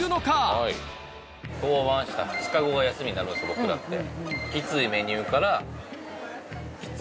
僕らって。